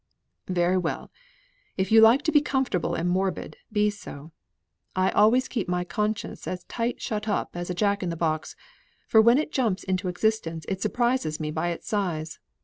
"Very well. If you like to be uncomfortable and morbid, be so. I always keep my conscience as tight shut up as a jack in a box, for when it jumps into existence it surprises me by its size.